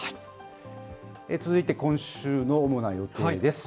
続いて今週の主な予定です。